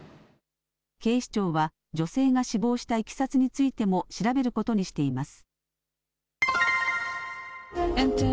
警視庁は女性が死亡したいきさつについても調べることにしています。